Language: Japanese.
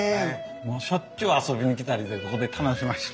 もうしょっちゅう遊びに来たりでここで楽しませて。